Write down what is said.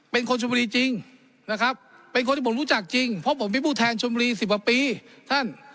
เป็นคนชมบุรีจริงนะครับเป็นคนที่ผมรู้จักจริงเพราะผมเป็นผู้แทนชนบุรีสิบกว่าปีท่าน